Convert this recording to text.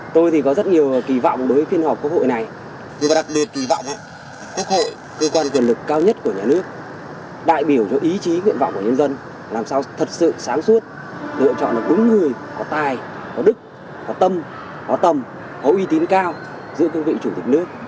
tôi thì có rất nhiều kỳ vọng đối với phiên họp quốc hội này tôi và đặc biệt kỳ vọng quốc hội cơ quan quyền lực cao nhất của nhà nước đại biểu cho ý chí nguyện vọng của nhân dân làm sao thật sự sáng suốt lựa chọn được đúng người có tài có đức có tâm có tầm có uy tín cao giữa cương vị chủ tịch nước